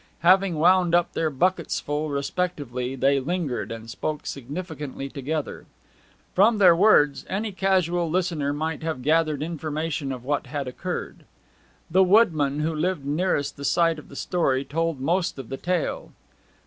Having wound up their bucketsfull respectively they lingered, and spoke significantly together. From their words any casual listener might have gathered information of what had occurred. The woodman who lived nearest the site of the story told most of the tale.